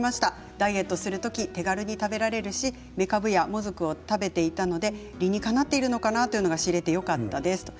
ダイエットする時手軽に食べられるし、めかぶやもずくを食べていたので理にかなっているのかなということが知ることができてよかったです。